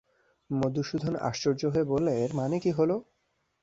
মধুসূদন আশ্চর্য হয়ে বললে, এর মানে কী হল?